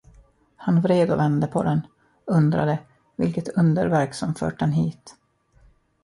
Han vred och vände på den, undrade, vilket underverk som fört den dit.